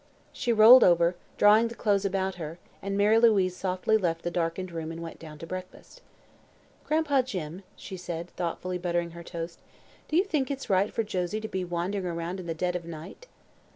She rolled over, drawing the clothes about her, and Mary Louise softly left the darkened room and went down to breakfast. "Gran'pa Jim," said she, thoughtfully buttering her toast, "do you think it's right for Josie to be wandering around in the dead of night?"